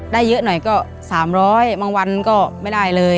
ได้เยอะหน่อยก็สามร้อยบางวันก็ไม่ได้เลย